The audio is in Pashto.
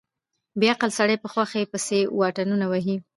بې عقل سړی په خوښۍ پسې واټنونه وهي.